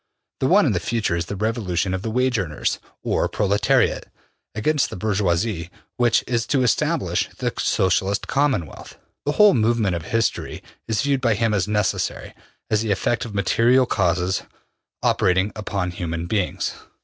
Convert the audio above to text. The one in the future is the revolution of the wage earners, or proletariat, against the bourgeoisie, which is to establish the Socialist Commonwealth. The whole movement of history is viewed by him as necessary, as the effect of material causes operating upon human beings.